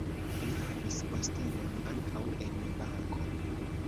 Li havis postenon ankaŭ en banko.